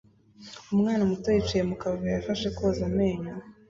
Umwana muto yicaye mu kavuyo afashe koza amenyo